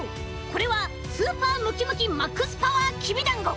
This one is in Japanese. これはスーパームキムキマックスパワーきびだんご！